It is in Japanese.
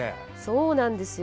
そうなんです。